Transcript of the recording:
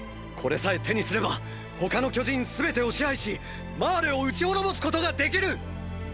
これさえ手にすれば他の巨人すべてを支配しマーレを討ち滅ぼすことができる！！